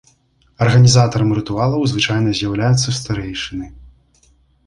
Арганізатарам рытуалаў звычайна з'яўляюцца старэйшыны.